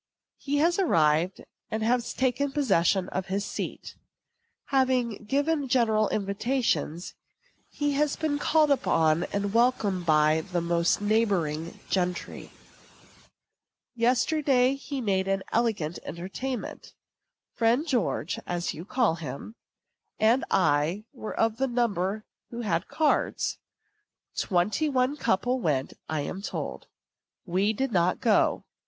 He has arrived, and taken possession of his seat. Having given general invitations, he has been called upon and welcomed by most of the neighboring gentry. Yesterday he made an elegant entertainment. Friend George (as you call him) and I were of the number who had cards. Twenty one couple went, I am told. We did not go.